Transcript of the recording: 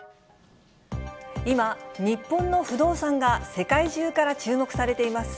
今、日本の不動産が世界中から注目されています。